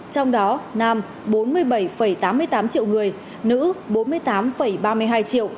trong đó nam bốn mươi bảy tám mươi tám triệu người nữ bốn mươi tám ba mươi hai triệu